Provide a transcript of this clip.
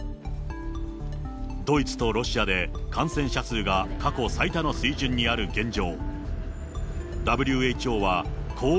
ドイツとロシアで感染者数が過去最多の水準にある現状。